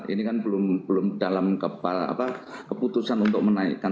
ini kan belum dalam keputusan untuk menaikkan